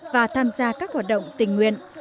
và tham gia các hoạt động tình nguyện